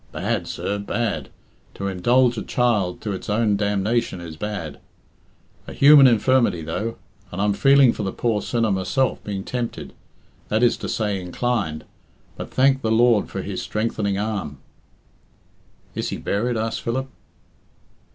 Bad, sir, bad! To indulge a child to its own damnation is bad. A human infirmity, though; and I'm feeling for the poor sinner myself being tempted that is to say inclining but thank the Lord for his strengthening arm " "Is he buried?" asked Philip.